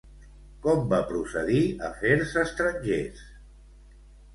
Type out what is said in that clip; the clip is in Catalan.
Com va procedir Afers estrangers?